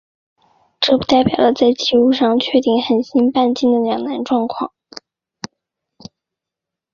这代表了在技术上确定恒星半径的两难状况。